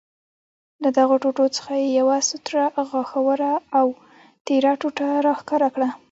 له دغو ټوټو څخه یې یوه ستره، غاښوره او تېره ټوټه را ښکاره کړل.